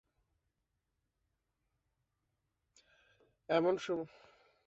এমন সময় ছিল, যখন মুসলমানগণ এই বিষয়ে সর্বাপেক্ষা অপরিণত ও সাম্প্রদায়িক-ভাবাপন্ন ছিলেন।